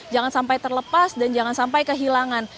jangan sampai terlepas dan jangan sampai kehilangan